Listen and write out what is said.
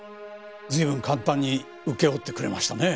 随分簡単に請け負ってくれましたね？